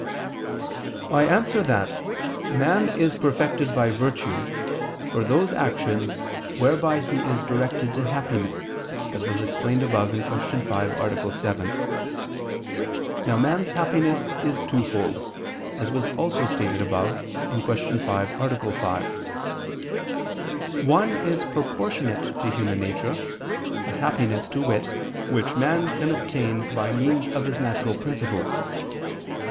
I answer that, Man is perfected by virtue, for those actions whereby he is directed to happiness, as was explained above (Q. 5, A. 7). Now man's happiness is twofold, as was also stated above (Q. 5, A. 5). One is proportionate to human nature, a happiness, to wit, which man can obtain by means of his natural principles.